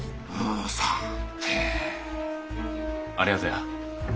ありがとよ。